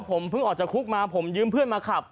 ผมเพิ่งออกจากคุกมาผมยืมเพื่อนมาขับ